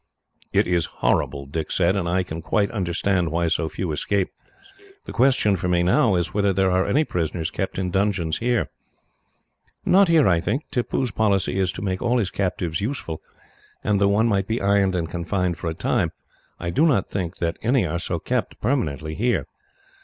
"It is horrible," Dick said, "and I can quite understand why so few escape. The question for me, now, is whether there are any prisoners kept in dungeons here." "Not here, I think. Tippoo's policy is to make all his captives useful, and though one might be ironed and confined for a time, I do not think that any are so kept, permanently, here.